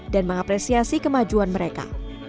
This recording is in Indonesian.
dan mengapresiasi kemajuan mereka